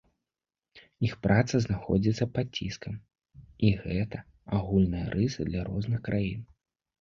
Іх праца знаходзіцца пад ціскам, і гэта агульная рыса для розных краін.